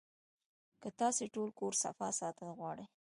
کۀ تاسو ټول کور صفا ساتل غواړئ